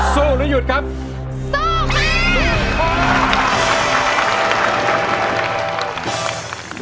สู้หรือหยุดครับสู้ครับ